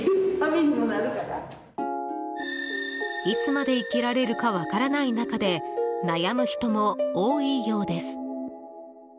いつまで生きられるか分からない中で悩む人も多いようです。